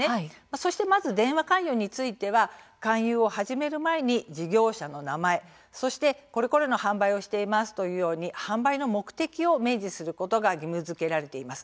そしてまず電話勧誘については勧誘を始める前に事業者の名前そして「これこれの販売をしています」というように、販売の目的を明示することが義務づけられています。